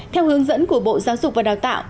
theo hướng dẫn của bộ giáo dục và đào tạo